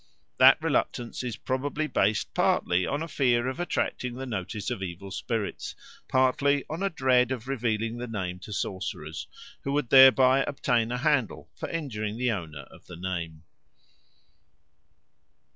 That reluctance is probably based partly on a fear of attracting the notice of evil spirits, partly on a dread of revealing the name to sorcerers, who would thereby obtain a handle for injuring the owner of the name.